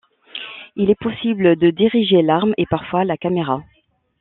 Il est possible de diriger l'arme et parfois la caméra.